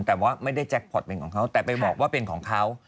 แต่ว่าไม่ได้แจ็คพอร์ตเป็นของเขาแต่ไปบอกว่าเป็นของเขา